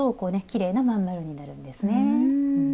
きれいな真ん丸になるんですね。